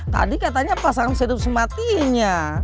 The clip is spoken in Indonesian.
tadi katanya pasangan hidup sematinya